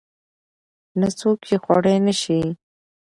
نه څوک يې خوړى نشي.